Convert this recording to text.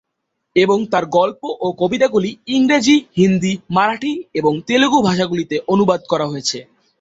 এবং তার গল্প ও কবিতাগুলি ইংরেজি, হিন্দি, মারাঠি এবং তেলুগু ভাষাগুলিতে অনুবাদ করা হয়েছে।